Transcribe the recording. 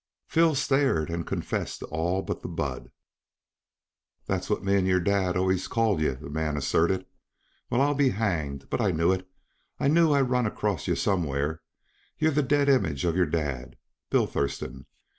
Phil stared and confessed to all but the "Bud." "That's what me and your dad always called yuh," the man asserted. "Well, I'll be hanged! But I knew it. I knew I'd run acrost yuh somewheres. You're the dead image uh your dad, Bill Thurston.